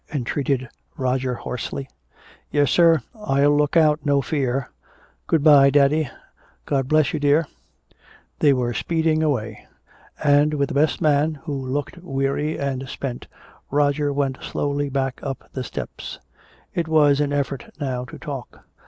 entreated Roger hoarsely. "Yes, sir! I'll look out! No fear!" "Good bye, daddy!" "God bless you, dear!" They were speeding away. And with the best man, who looked weary and spent, Roger went slowly back up the steps. It was an effort now to talk.